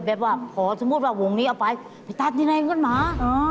แบบว่าขอสมมุติว่าวงนี้เอาไปไปตัดที่ไหนเงินหมา